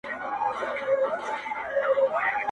ویل صاحبه زموږ خو ټول ابرو برباد سوه,